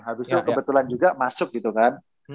habis itu kebetulan juga masuk gitu kan